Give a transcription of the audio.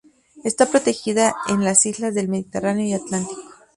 Está protegida en las islas del Mediterráneo y Atlántico.